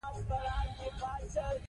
د نجونو تعليم د ګډو موخو همکاري پالي.